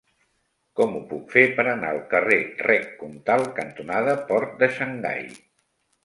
Com ho puc fer per anar al carrer Rec Comtal cantonada Port de Xangai?